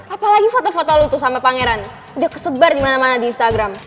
apalagi foto foto lutuh sama pangeran udah kesebar dimana mana di instagram